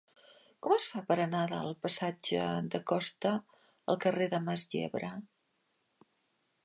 Com es fa per anar del passatge de Costa al carrer de Mas Yebra?